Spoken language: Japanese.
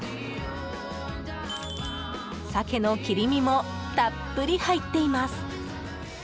サケの切り身もたっぷり入っています。